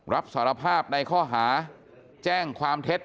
รับสารภาพในข้อหาแจ้งความเท็จ